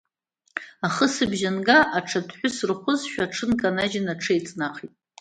Ахысбжьы анга, аҽадҳәыс рхәызшәа аҽынканажьын, аҽааиҵнахит.